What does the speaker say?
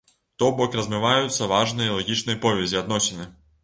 То бок размываюцца важныя і лагічныя повязі, адносіны.